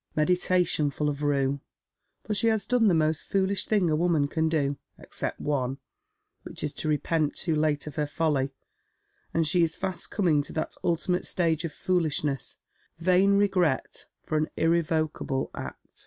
Meditation full of rue, for she has done the most foolish thing a woman can do, except one, which is to repent too late of her folly ; and she is fast coming to that ultimate stage of foolishness, vain regret for an irrevocable act.